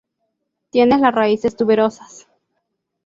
Tiene las raíces tuberosas.